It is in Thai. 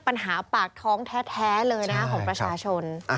ปัญหาปากท้องแท้เลยนะของประชาชน